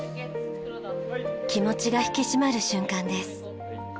気持ちが引き締まる瞬間です。